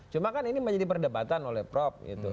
cuma kan ini menjadi perdebatan oleh pro